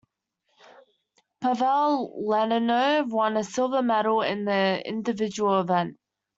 Pavel Lednyov won a silver medal in the individual event.